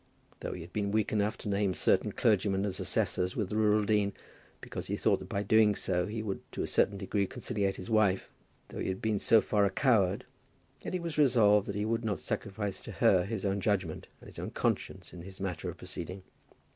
Though he had been weak enough to name certain clergymen as assessors with the rural dean, because he thought that by doing so he would to a certain degree conciliate his wife, though he had been so far a coward, yet he was resolved that he would not sacrifice to her his own judgment and his own conscience in his manner of proceeding.